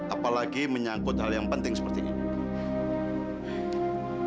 apalagi menyangkut hal yang penting seperti ini